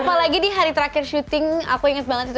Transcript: apalagi di hari terakhir syuting aku inget banget itu